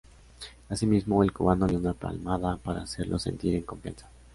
Asimismo, el cubano le dio una palmada para hacerlo sentir en confianza.